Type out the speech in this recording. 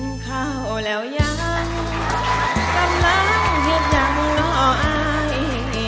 กินข้าวแล้วยังกำลังเหยียบยังรออาย